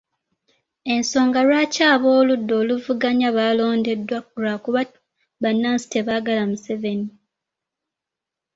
Ensonga lwaki ab’oludda oluvuganya baalondeddwa lwakuba bannansi tebaagala Museveni .